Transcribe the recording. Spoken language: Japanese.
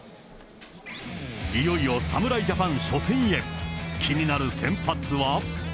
いよいよ侍ジャパン初戦へ、気になる先発は。